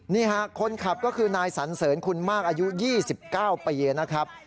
นี่ค่ะคนขับก็คือนายสันเสริญคุณมากอายุ๒๙ปีนะครับ